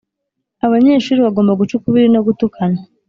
abanyeshuri bagomba guca ukubiri no gutukana